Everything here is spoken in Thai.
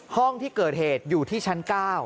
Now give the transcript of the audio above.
ห้องที่เกิดเหตุอยู่ที่ชั้น๙